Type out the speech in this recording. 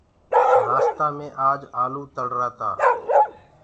نآستآ مي آج آلوُ تݪرآ تآ۔